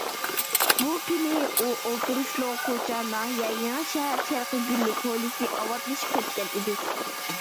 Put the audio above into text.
بۇ كۈنى ئۇ ئولتۇرۇشلۇق كۇچا ناھىيە يېڭى شەھەر شەرقىي گۈللۈك ھويلىسى ئاۋاتلىشىپ كەتكەن ئىدى.